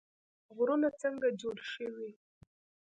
غرونه څنګه جوړ شوي؟